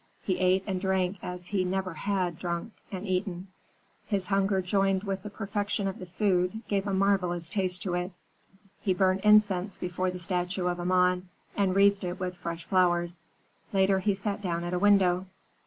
He ate and drank as he never had drunk and eaten; his hunger joined with the perfection of the food gave a marvellous taste to it. He burnt incense before the statue of Amon, and wreathed it with fresh flowers. Later he sat down at a window.